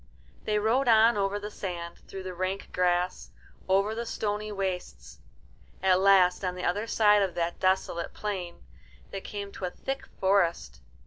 They rode on over the sand, through the rank grass, over the stony wastes. At last, on the other side of that desolate plain, they came to a thick forest.